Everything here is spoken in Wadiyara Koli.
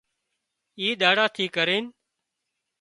اي ۮاڙا ٿي ڪرينَ